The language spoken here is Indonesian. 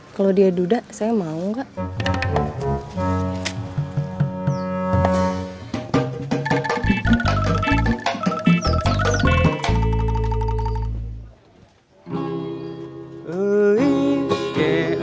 kalau dia duda saya mau nggak